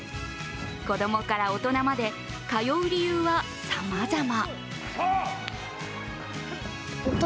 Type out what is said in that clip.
子供から大人まで通う理由はさまざま。